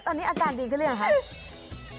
ตอนนี้อาการดีขึ้นหรือยังคะ